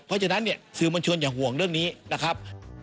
เพราะฉะนั้นเนี่ยสื่อมวลชนอย่าห่วงเรื่องนี้นะครับ